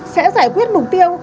sẽ giải quyết mục tiêu